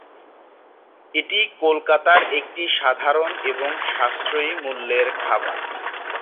এটি কলকাতার একটি সাধারণ এবং সাশ্রয়ী মূল্যের খাবার।